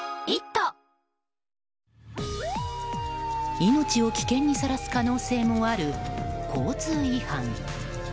命を危険にさらす可能性もある交通違反。